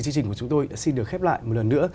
chương trình của chúng tôi xin được khép lại một lần nữa